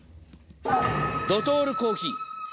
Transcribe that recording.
ドトールコーヒー。